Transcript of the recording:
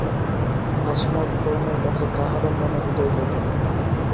কাজকর্মের কথা তাঁহার মনেও উদয় হইত না।